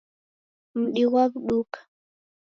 Mdi ghwawuduka